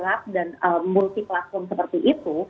saat kondisinya sudah terjerat dan multi platform seperti itu